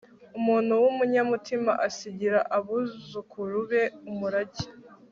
umuntu w'umunyamutima asigira abuzukuru be umurage